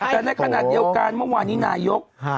แต่ในขณะเดียวกันเมื่อวานนี้นายก